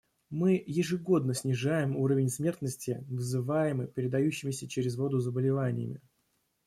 Мы ежегодно снижаем уровень смертности, вызываемой передающимися через воду заболеваниями.